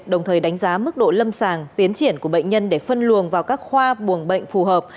đồng thời đánh giá mức độ lâm sàng tiến triển của bệnh nhân để phân luồng vào các khoa buồng bệnh phù hợp